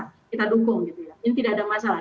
kita dukung gitu ya ini tidak ada masalah